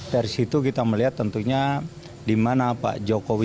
dari situ kita melihat tentunya di mana pak jokowi